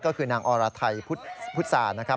ก็คือนางอรไทยพุทธศานะครับ